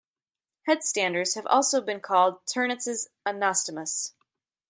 Headstanders have also been called Ternetz's Anostomus.